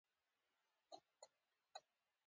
د اټروفي د حجرو کمېدل دي.